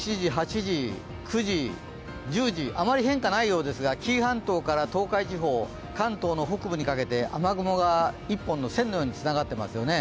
１０時まではあまり変化ないようですが、紀伊半島から東海地方、関東の北部にかけて雨雲が１本の線のようにつながってますね。